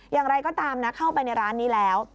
อย่างไรก็ตามนะเข้าไปในร้านนี้แล้ว